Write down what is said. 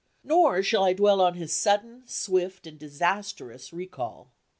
Nor shall I dwell upon his sudden, swift, and disastrous recall.